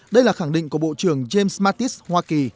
đây là khẳng định của bộ trưởng james mattis hoa kỳ